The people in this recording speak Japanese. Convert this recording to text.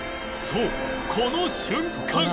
そうこの瞬間！